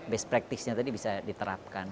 best practice nya tadi bisa diterapkan